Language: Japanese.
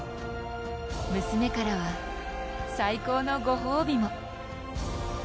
娘からは、最高のご褒美も。